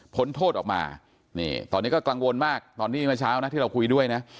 โทษออกมานี่ตอนนี้ก็กังวลมากตอนที่เมื่อเช้านะที่เราคุยด้วยนะ